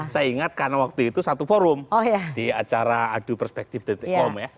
saya ingat karena waktu itu satu forum di acara adu perspektif detikkom ya